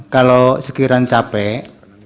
kalau sekiranya dosrendak kita capek